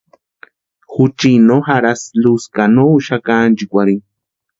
Juchini no jarhasti luz ka no úxaka ánchikwarhini.